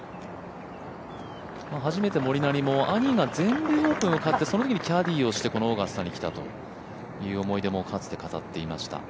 初めてモリナリは、兄が全米オープンを勝ってそのときにキャディーをしてこのオーガスタに来たという思い出をかつて語っていました。